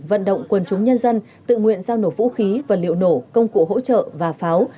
vận động quân chúng nhân dân tự nguyện giao nộp vũ khí vật liệu nổ công cụ hỗ trợ và pháo